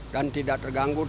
dan tidak terganggu